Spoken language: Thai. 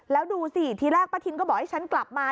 แล้วดูสิทีแรกป้าทินก็บอกให้ฉันกลับมา